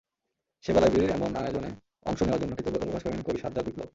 সেবা লাইব্রেরির এমন আয়োজনে অংশ নেওয়ার জন্য কৃতজ্ঞতা প্রকাশ করেন কবি সাজ্জাদ বিপ্লব।